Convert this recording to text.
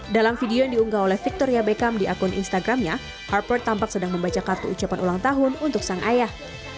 dalam video yang diunggah oleh victoria beckham di akun instagramnya harpert tampak sedang membaca kartu ucapan ulang tahun untuk sang ayah